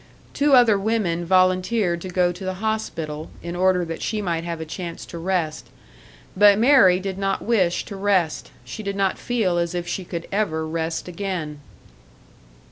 Two other women volunteered to go to the hospital, in order that she might have a chance to rest; but Mary did not wish to rest, she did not feel as if she could ever rest again.